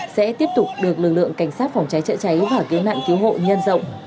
sẽ tiếp tục được lực lượng cảnh sát phòng cháy cháy cháy và kiếu nạn kiếu hộ nhân rộng